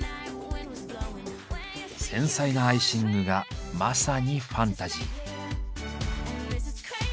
繊細なアイシングがまさにファンタジー。